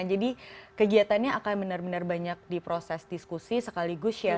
jadi kegiatannya akan benar benar banyak di proses diskusi sekaligus sharing